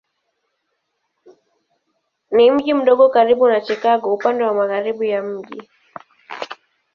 Ni mji mdogo karibu na Chicago upande wa magharibi ya mji.